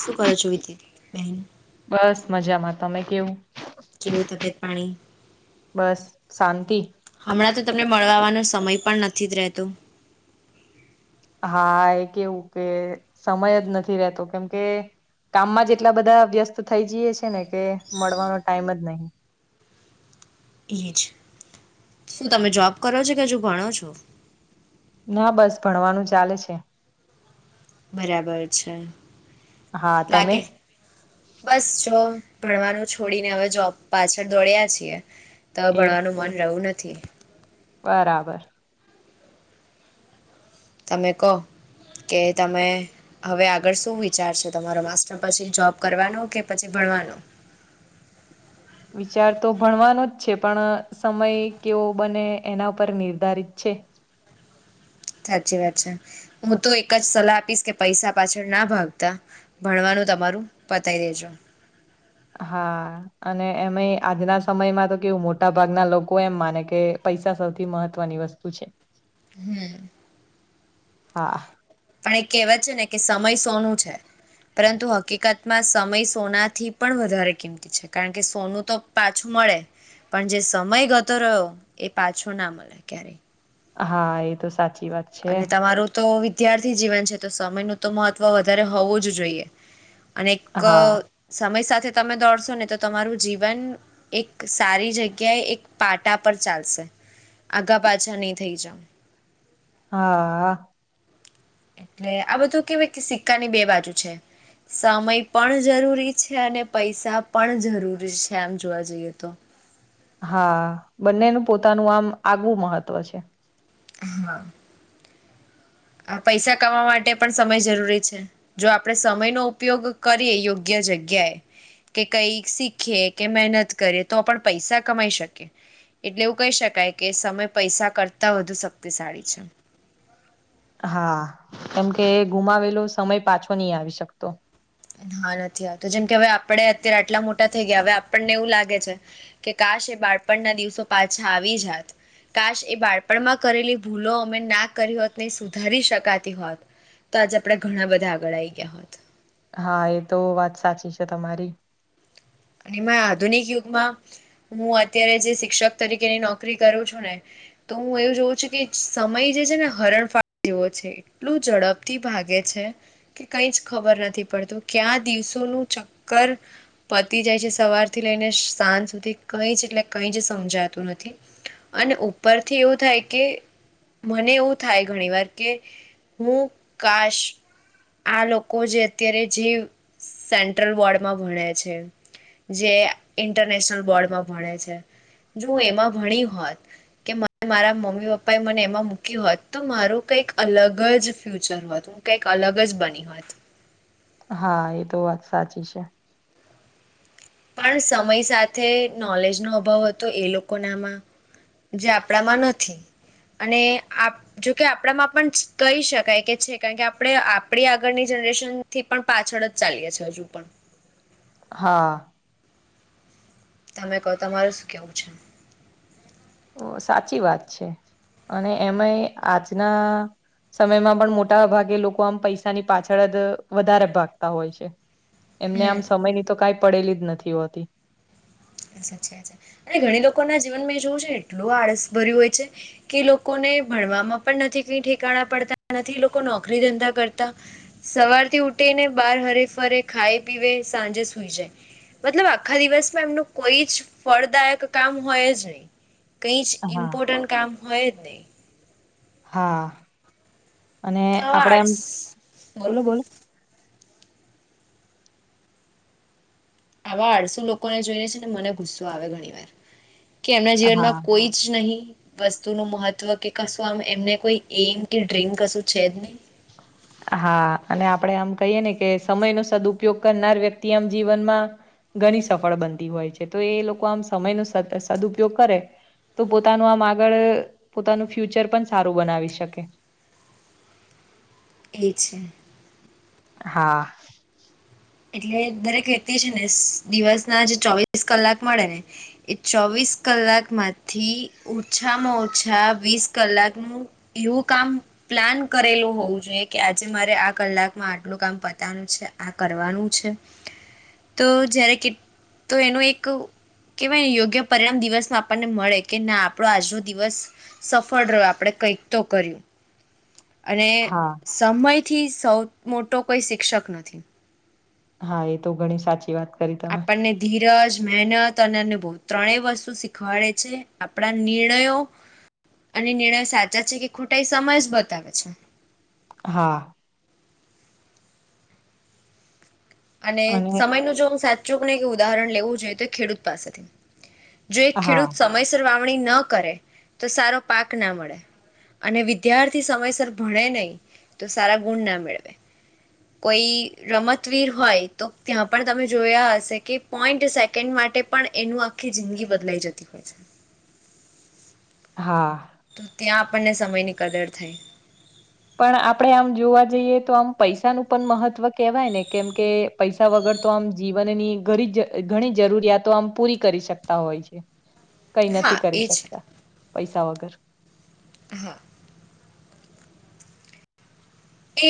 શું કરો છો વિીતી બન બસ મજામાં તમે કેવું કેવું તબિયત પાણી બસ શાંતિ હમણાં તો તમને મળવાવાનો સમય પણ નથી જ રહેતો હા એ કેવું કે સમય જ નથી રતો કેમ કે કામમાં જ એટલા બધા વ્યસ્ત થઈ જઈએ છે ને કે મળવાનો ટાઈમ જ નહીિ એ જ શું તમે જોબ કરો છો કે હજુ ભણો છો ના બસ ભણવાનું ચાલે છે બરાબર છે હા તમે લાગે બસ જો ભણવાનું છોડીને હવે જોબ પાછળ દોડ્યા છીએ ત એ ભણવાનું મન રહવું નથી બરાબર તમે કહો કે તમે હવે આગળ શું વિચાર છે તમારો માસ્ટર પછી જોબ કરવાનો કે પછી ભણવાનો વિચાર તો ભણવાનો જ છે પણ સમય કેવો બને એના પર નિર્ધારિત છે સાચી વાત છે હું તો એક જ સલાહ આપીશ કે પૈસા પાછળ ના ભાવતા ભણવાનું તમારું પતાવી દેજો હા અને એમય આજના સમયમાં તો કેવું મોટા ભાગના લોકો એમ માને કે પૈસા સૌથી મહત્વ ત્ની વસ્તુ છે હમ હા પણ એ કહેવાત છે ને કે સમય સોનું છે પરંતુ હકીકતમાં સમય સોના થી પણ વધારે કિંમતી કારણ કે સોનું તો પાછું મળે પણ જે સમય ગતો રહ્યો એ પાછો ના મળે ક્યારે હા એ તો સાચી વાત છે અને તમારું તો વિદ્યાર્થી જીવન છે તો સમય ન તો મહત્વ વધારે હોવું જ જોઈએ અને એક હા સમય સાથે તમે દોડશો ને તો તમારું જીવન એક સારી જગ્યાએ એક પાટા પર ચાલશે આગા પાછા નહી થઇ જાાવ હા એટલે આ બધું કેવાય કે સિક્કા ની બે બાજુ છે સમય પણ જરૂરી છે અને પૈસા પણ જરૂરી છે આમ જોવા જઈએ તો હા બંનેનું પોતાનું આમ આગવું મહત્વ છે હા આ પૈસા કમાવા માટે પણ સમય જરૂરી છે જો આપણે સમયનોો ઉપયોગ કરીએ યોગ્ય જગ્યાએ કે કઈ શીખીએ કે મહેનત કરીેએ તો પણ પૈસા કમાઈ શકે એટલે એવું કહી શકાય કે સમય પૈસા કરતા વધુ શક્તિશાળી છે હા કેમકે ગુમાવેલો સમય પાછો નહી આવી શકતો હા નથી આવતો જેમ કે હવે આપડે અત્યારે આટલા મોટા થઈ ગયા હવે આપણને એવું લાગે છે કે કાશ એ બાળપણના દિવસો પાછા આવી જાત કાશ એ બાળપણમાં કરેલી ભૂલો અમે ના કરી હોત ને સુધારી શકાતી હોત તો આજે આપડે ઘણા બધા આગળ આવી ગયા હોત હા એ તો વાત સાચી છે તમારી અને આધુનિક યુગમાં હું અત્યારે જે શિક્ષક તરીકેની નોકરી કરું છું ને તો હું એવું જોઉં છું કે સમય જે છે ને હરણ ફાળ જેવો છે કેટલું ઝડપથી ભાગે છે કે કઈ જ ખબર નથી પડતું ક્યા દિવસોનું ચક્કર ઉતી જાય છે સવાર થી લઈને સાંજ સુધી કઈ જ એટલે કઈ જ સમજાતું નથી અને ઉપરથી એવું થાય કે મને એવું થાય ઘણી વાર કે હું કાશ આ લોકો જે અત્યારે જે સેન્ટ્રલ વોર્ડમાં ભણે છે જે ઇન્ટરનેશનલ બોર્ડમાં ભણે છે જો એમાં ભણી હોત કે મારા મમ્મી પપ્પા એ મને એમાં મૂક હોત તો મારું કઈક અલગ જ ફ્યુચર હતું ું કઈક અલગ જ બની હોત હા એ તો વાત સાચી છે પણ સમય સાથે નોલેજનોો અભાવ હતો એ લોકો નામાં જે આપણામાં નથી અને આપ જોકે આપણામાં પણ કહી શકાય કે છે કારણ કે આપણે આપડી આગળની જનરેશન થી પણ પાછળ જ ચાલીએ છી હજુ પણ હા તમે કહો તમારે શું કેવું છે સાચી વાત છે અને એમાં આજના સમયમાં પણ મોટા ભાગે લોકો આમ પૈસાની પાછળ જ વધારે ભાગતા હોય છે એમને આમ હમ સમયની તો કઈ પડેલી જ નથી હોતી સાચ અને ઘણી લોકો ના જીવન મે જોવું છે ને એટલું આળસ ભર્યું હોય છે કે લોકોને ભણવામાં પણ નથી કઈ ઠેકાણા પડતા નથી લોકો નોકરી ધંધા કરતા સવારથી ઉઠી ને બહાર હરે ફરે ખાઈાય પીવે સાંજે સુઈ જાય મતલબ આખા દિવસમાં એમનું કોઈ જ ફળદાયક કામ હોય જ નહી કઈ જ હા ઇમ્પોર્ટન્ટ કામ હોય જ નહીિ હા અને તો આવા આપડે એમ આળસ બોલો બોલો આવા આઠસો લોકોને જોઈને છે ને મને ગુસ્સો આવે ઘણી વાર કે એમના હા જીવનમાં કોઈ જ જ નહી વસ્તુ નું મહત્વ કે કશું આમ એમને કોઈ એમ કે ડ્રીમ કશું છે જ નહી હ હા અને આપડે આમ કહીએ ને કે સમય નો સદપયોગ કરનાર વ્યક્તિ આમ જીવનમાં ઘણી સફળ બનતી હોય છે તો એ લોકો આમ સમય ન સદુપયોગ કરે તો પોતાનું આમ આગળ પોતાનું ફ્યુચર પણ સારું બનાવી શકે એ છે હા એટલે દરેક વ્યક્તિ છે ને દિવસ ના જે ચોવીસ કલાક મળે ને એ ચોવીસ કલાક માંથી ઓછામાં ઓછા વીસ કલાકનુંું યવકાામ પ્લાન કરેલું હોવું જોઈએ કે આજે મારે આ કલાકમાં આટલું કામ પતાનું છે આ તો જ્યારે તો એનો એક કે ભાઈ યોગ્ય પરિણામ દિવસમાં આપણને મળે કે ના આપણો આજનો દિવસ સફળ રહ્યો આપણે કંઈક તો કર્યું અને હા સમયથી સૌ મોટો કોઈ શિક્ષક નથી હા એ તો ઘણી સાચી વાત કરી તમે આપણને ધીરજ મહેનત અને અનુભ ત્રણેય વસ્તુ શીખવાડે છે આપણા નિર્ણયો અને નિર્ણય સાચા છે કે ખોટા એ સમય જ બતાવે છે હા અને સમય ન જો હું સાચું કે ને કે ઉદાહરણ લેવું જોઈએ તો ખેડૂત પાસેથી જો એક હા ખેડૂત સમયસર વાવણી ન કરે તો સારો પાક ના મળે અને વિદ્યાર્થી સમયસર ભણે નહીં તો સારા ગુણ ના મેળવે કોઈ રમતવીર હોય તો ત્યાં પણ તમે જોયા હશે કે પોઈન્ટ સેકન્ડ માટે પણ એનું આખી જિંદગી બદલાઈ જતી હોય છે હા તો ત્યાં આપણને સમયની કદર થઈ પણ આપણેે આમ જોવા જઈએ તો આમ પૈસાનું પણ મહત્વ કેવાય ને કેમ કે પૈસા વગર તો આમ જીવનની ઘ જ ઘણી જરૂરિયાતો આમ પૂરી કરી શકતા હોય છે કઈ હા નથી કરી એ છે શકતા પૈસા વગર હા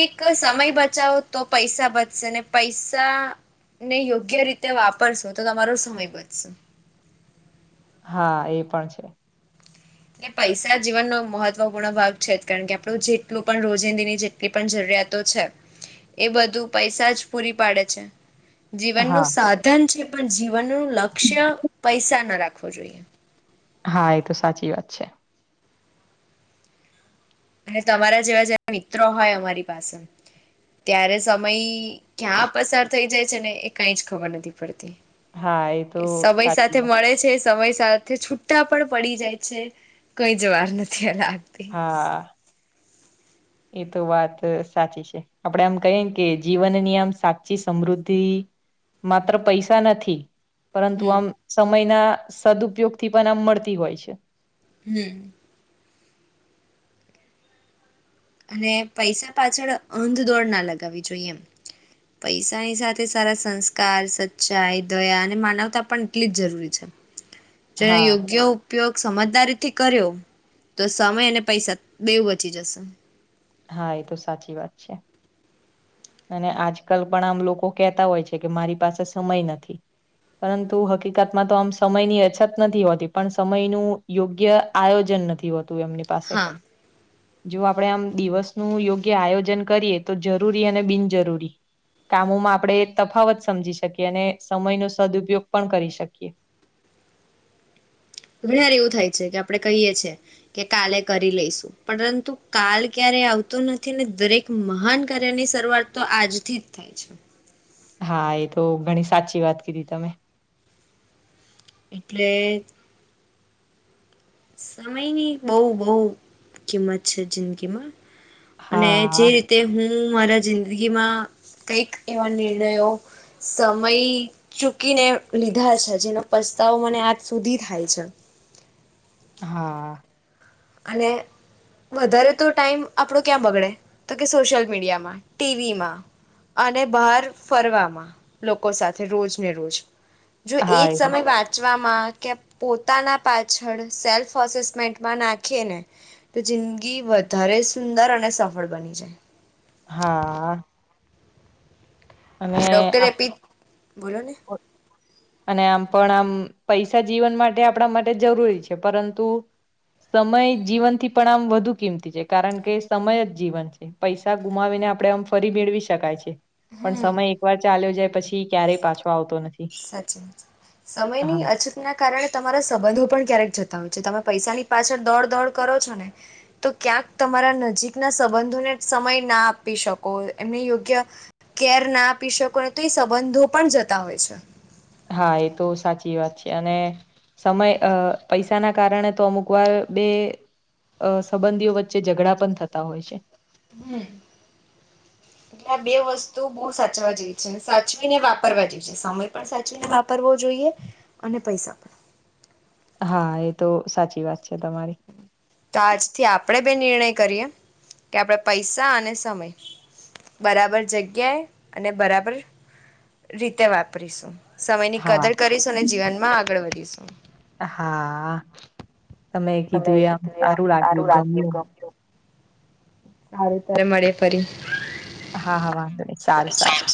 એક સમય બચાવો તો પૈસા બચશે ને પૈસા ને યોગ્ય રીતે વાપરશો તો તમારો સમય બચશે હા એ પણ છે એટલે પૈસા જીવનનો મહત્વપૂર્ણ ભાગ છે જ કારણ કે આપણું જેટલું પણ રોજિંદીની જે લી પણ જરૂરિયાતો છે એ બધું પૈસા જ પૂરી પાડે છે જીવનનું હા સાધન છે પણ જીવનનું લક્ષ્ય પૈસા ના રાખવો જોઈએ હા એ તો સાચી વાત છે અને તમારા જેવા જેવા મિત્રો હોય અમારી પાસે ત્યારે સમય ક્યાં પસાર થઈ જાય છે ને એ કઈ જ ખબર નથી પડતી હા એ તો કે સય સાચી સાથે વાત મળે છે સમય સાથે છુટા પણ પડી જાય છે કઈ જ વાર નથી લાગતી હા એ તો વાત સાચી છે આપડે એમ કહીએ ને કે જીવનની આમ સાચી સમૃદ્ધિ માત્ર પૈસા નથી પરંતુ હમ આમ સમયના સદઉપયોગ થી પણ આમ મળતી હોય છે હમ અને પૈસા પાછળ અંધ દોડ ના લગાવવી જોઈએ એમ પૈસાની સાથે સારા સંસ્કાર સચ્ચાઈ દયા અને માનવતા પણ એટલી જ જરૂરી છે જેને હા યોગ્ય ઉપયોગ સમજદારીથી કર્યો તો સમય અને પૈસા બેવ બચી જશે હા એ તો સાચી વાત છે અને આજકાલ પણ આમ લોકો કેહેતા હોય છે કે મારી પાસે સમય નથી પરંતુ હકીકતમાં તો આમ સમયની અછત નથી હોતી પણ સમયનું યોગ્ય આયોજન નથી હોતું એમને હા જો આપણેે આમ દિવસ નું યોગ્ય આયોજન કરીએ તો જરૂરી અને બિનજરૂરી કામોમાં આપણે તફાવત સમજી શકીએ અને સમયનો સદપયોગ પણ કરી શકીએ ઘર એવું થાય છે કે આપડે કહીએ છીએ કે, કાલે કરી લઈશું. પરંતુ કાલ ક્યારે આવતો નથી ને. દરેક મહાન કાર્યની શરૂઆત તો આજથી થાય છે. હા, એ તો ઘણી સાચી વાત કીધી તમે. એટલે. સમયની બહુ બહુ કિંમત છે જિંદગીમાં, અને જે હા, રીતે તે હું મારા જિંદગીમાં કંઈક એવા નિર્ણયો સમય ચૂકીને લીધા છે, જેનો પસ્તાવ મને આજ સુધી થાય છે. હા. અને વધારે તો ટાઈમ આપડો ક્યાં બગડે? તો કે સોશિયલ મીડિયામાં, ટીવીમાં અને બહાર ફરવામાં, લોકો સાથે રોજ ને રોજ જો એ હા, તો. સમય વાંચવામાં કે પોતાના પાછળ સેલ્ફ અસેસમેન્ટમાં ના ને તો જિંદગી વધારે સુંદર અને સફળ બની જાય. હા. અને હ. અને આમ પણ, આમ પૈસા જીવન માટે આપણા માટે જરૂરી છે, પરંતુ સમય જીવનથી પણ આમ વધુ કિંમતી છે, કારણ કે સમય જ જીવન છે. પૈસા ગુમાવીને આપડે આમ ફરી મેળવી શકાય છે. પણ સમય એકવાર ચાલ્યો જાય, પછી ક્યારેય પાછો આવતો નથી. સાચી વાત, હા સમયની અછત. ના કારણે, તમારા સંબંધો પણ ક્યારેક જતા હોય છે. તમે પૈસાની પાછળ દોડ દોડ કરો છો ને તો ક્યાંક તમારા નજીકના સંબંધોને સમય ના આપી શકો, એમને યોગ્ય કેર ના પીસકોને તો એ સંબંધો પણ જતા હોય છે. હા, એ તો સાચી વાત છે. અને સમય અ પૈસાના કારણે તો અમુક વાર બે અ સંબંધીઓ વચ્ચે ઝઘડા પણ થતા હોય છે. હને. એટલે આ બે વસ્તુ બહુ સાચવા જેવી છે. સાચવી ને વાપરવા જઈએ. સમય પણ સાચીને વાપરવો જોઈએ, અને પૈસા પણ હા, એ તો સાચી વાત છે તમારી. તો આજથી આપણેે બે નિર્ણય કરીએ કે આપણે પૈસા અને સમય બરાબર જગ્યાએ અને બરાબર રીતે વાપરીશું. સમય ની હા કદર કરીશું અને જીવન માં આગળ વધીશું. હા, તમે કીધું એમ સારું લાગ્યું, ગમ્યું. હ ર ત્યારે મળીે ફરી. હા, હા, વાંધો ન. સારું, સારું.